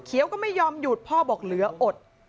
ก็ไม่ยอมหยุดพ่อบอกเหลืออด